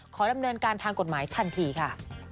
ขอดำเนินการทางกฎหมายทันทีค่ะ